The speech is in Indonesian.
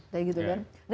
kayak gitu kan